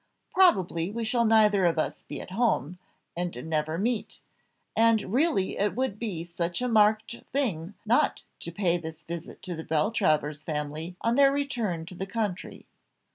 Probably we shall neither of us be at home, and never meet; and really it would be such a marked thing not to pay this visit to the Beltravers family on their return to the country.